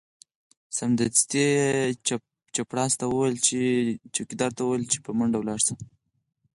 سمدستي یې چپړاسي ته وویل چې په منډه ولاړ شه.